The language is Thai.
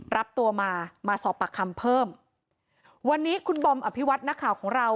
รับตัวมามาสอบปากคำเพิ่มวันนี้คุณบอมอภิวัตินักข่าวของเรา